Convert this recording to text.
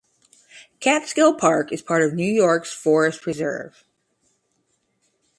Catskill Park is part of New York's Forest Preserve.